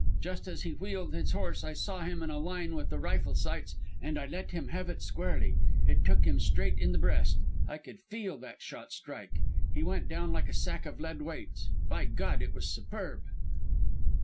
Just as he wheeled his horse I saw him in a line with the rifle sights and let him have it squarely. It took him straight in the breast. I could feel that shot strike. He went down like a sack of lead weights. By God, it was superb!